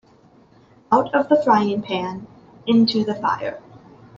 Out of the frying pan into the fire.